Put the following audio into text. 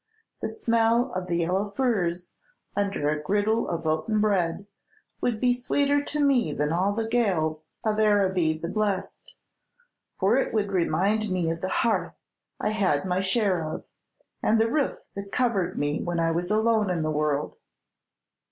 The smell of the yellow furze, under a griddle of oaten bread, would be sweeter to me than all the gales of Araby the Blest; for it would remind me of the hearth I had my share of, and the roof that covered me when I was alone in the world."